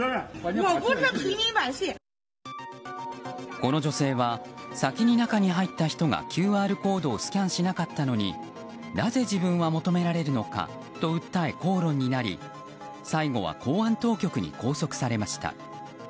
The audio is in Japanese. この女性は先に中に入った人がＱＲコードをスキャンしなかったのになぜ自分は求められるのかと訴え口論になり最後は公安当局に拘束されました。